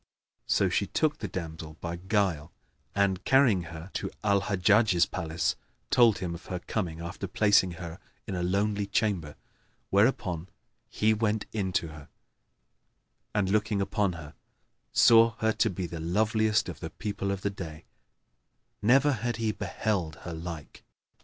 So she took the damsel by guile and, carrying her to Al Hajjaj's palace, told him of her coming, after placing her in a lonely chamber; whereupon he went in to her and, looking upon her, saw her to be the loveliest of the people of the day, never had he beheld her like.